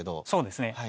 そうですね。